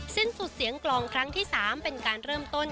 สิ้นสุดเสียงกลองครั้งที่๓เป็นการเริ่มต้น